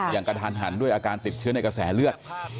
กระทันหันด้วยอาการติดเชื้อในกระแสเลือด